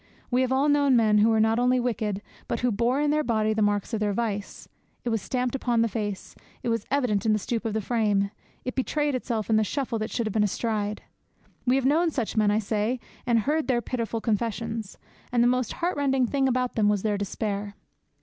We have all known men who were not only wicked, but who bore in their body the marks of their vice. It was stamped upon the face; it was evident in the stoop of the frame; it betrayed itself in the shuffle that should have been a stride. We have known such men, I say, and heard their pitiful confessions. And the most heartrending thing about them was their despair.